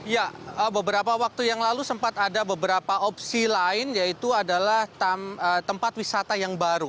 ya beberapa waktu yang lalu sempat ada beberapa opsi lain yaitu adalah tempat wisata yang baru